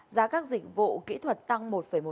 giá các dịch vụ kỹ thuật tăng một một